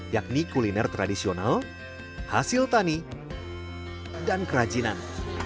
yakni kuliner tradisional hasil tani dan kerajinan